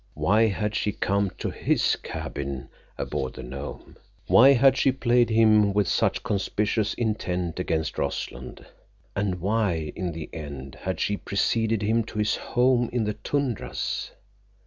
Why had she come to his cabin aboard the Nome? Why had she played him with such conspicuous intent against Rossland, and why—in the end—had she preceded him to his home in the tundras?